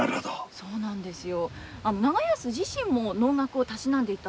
そうなんですよ。